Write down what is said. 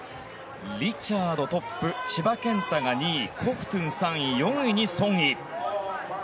リチャード、トップ千葉健太が２位コフトゥン、３位４位にソン・イ。